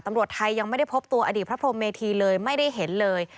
ตำรวจไทยยังไม่ได้พบตัวอดีตพระพรมเมธีเลยไม่ได้เห็นเลย